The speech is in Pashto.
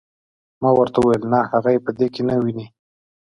ما ورته وویل نه هغه یې په دې کې نه ویني.